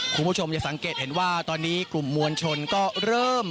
คุณผู้ชมจะสังเกตเห็นว่าตอนนี้กลุ่มมวลชนก็เริ่ม